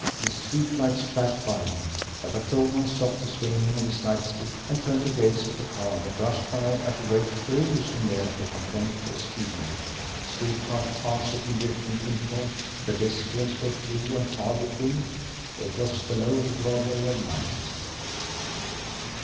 The street lights flashed by him; a patrolman stopped the swinging of his night stick, and turned to gaze at the car that rushed by at a rate perilously near to contempt of speed laws; street cars passed at indifferent intervals; pedestrians were few and far between it was the lower Broadway of night.